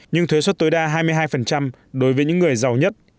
nhưng thuế suất tối đa hai mươi hai đối với những người giàu nhất